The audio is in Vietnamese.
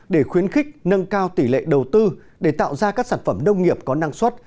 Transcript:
để khuyến khích nâng cao tỷ lệ đầu tư để tạo ra các sản phẩm nông nghiệp có năng suất